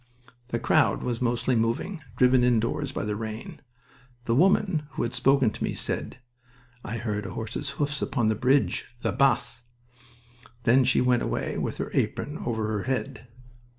The crowd was mostly moving, driven indoors by the rain. The woman who had spoken to me said, "I heard a horse's hoofs upon the bridge, la bas." Then she went away with her apron over her head.